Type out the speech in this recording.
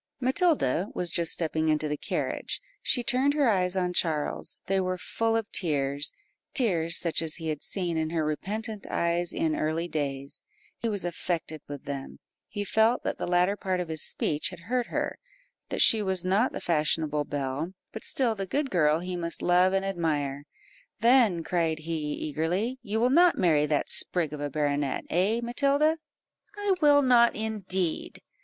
Matilda was just stepping into the carriage; she turned her eyes on Charles they were full of tears, tears such as he had seen in her repentant eyes in early days; he was affected with them he felt that the latter part of his speech had hurt her that she was not the fashionable belle, but still the good girl he must love and admire. "Then," cried he, eagerly, "you will not marry that sprig of a baronet eh, Matilda?" "I will not indeed."